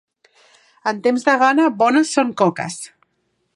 En temps de gana, bones són coques.